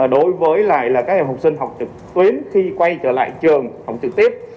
đối với các em học sinh học trực tuyến khi quay trở lại trường học trực tuyến